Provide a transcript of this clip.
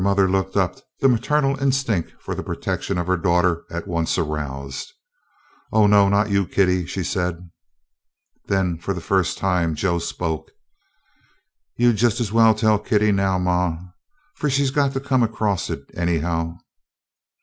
Her mother looked up, the maternal instinct for the protection of her daughter at once aroused. "Oh, no, not you, Kitty," she said. Then for the first time Joe spoke: "You 'd just as well tell Kitty now, ma, for she 's got to come across it anyhow."